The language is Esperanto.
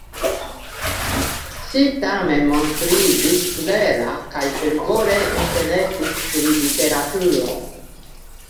Ŝi tamen montriĝis klera kaj fervore interesis pri literaturo.